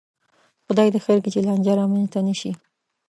خدای دې خیر کړي، چې لانجه را منځته نشي